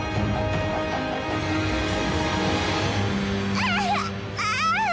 ああ！